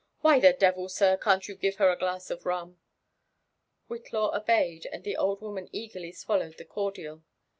''Why the devils sir, can't you give her a glass of ruo) ?" Whitlaw obeyed, and the old woman eagerly swallowed the cordial.